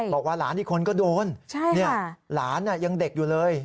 บอกว่าหลานอีกคนก็โดนหลานยังเด็กอยู่เลย